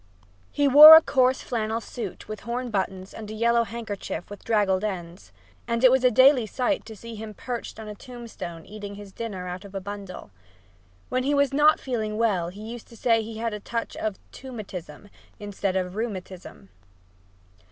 He wore a coarse flannel suit with horn buttons and a yellow handkerchief with draggled ends, and it was a daily sight to see him perched on a tombstone eating his dinner out of a bundle. When he was not feeling well he used to say he had a touch of "tomb atism," instead of rheumatism.